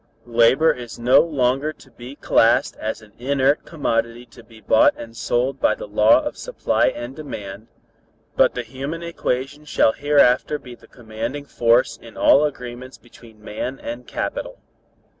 "Labor is no longer to be classed as an inert commodity to be bought and sold by the law of supply and demand, but the human equation shall hereafter be the commanding force in all agreements between man and capital.